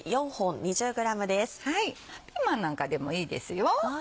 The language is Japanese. ピーマンなんかでもいいですよ。